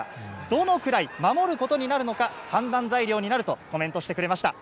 どのくらい守ることになるのか、判断材料になるとコメントしてくれました。